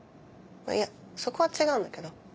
いやそこは違うんだけど。